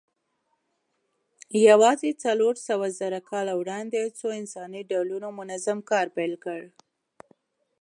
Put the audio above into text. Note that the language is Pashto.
یواځې څلورسوهزره کاله وړاندې څو انساني ډولونو منظم ښکار پیل کړ.